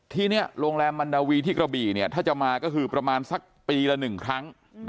ทีนี้โรงแรมมันดาวีที่กระบี่ถ้าจะมาก็คือประมาณสักปีละ๑ครั้ง